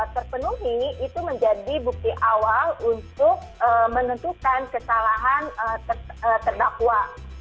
terpenuhi itu menjadi bukti awal untuk menentukan kesalahan terdakwa